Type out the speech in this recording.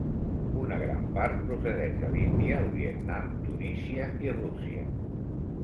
Una gran part procedeix de l'Índia, el Vietnam, Tunísia i Rússia.